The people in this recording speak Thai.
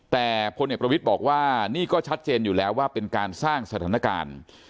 แต่พลเอกประวิทย์บอกว่านี่ก็ชัดเจนอยู่แล้วว่าเป็นการสร้างสถานการณ์